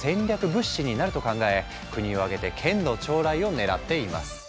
物資になると考え国を挙げて捲土重来を狙っています。